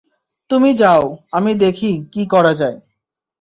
তুমি যাও, আমি দেখি, কী করা যায়?